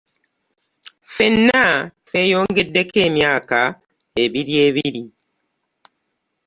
Ffenna tweyongeddeko emyaka ebiri ebiri.